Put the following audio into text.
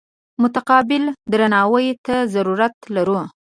متقابل درناوي ته ضرورت لرو.